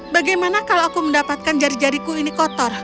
bagaimana kalau aku mendapatkan jari jariku ini kotor